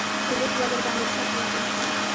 پوليس به درباندې شک وکي.